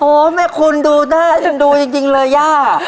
โ้แม่คุณดูหน้าทั้งดูจริงเลยอ่ะ